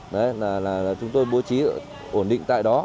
đấy là chúng tôi bố trí ổn định tại đó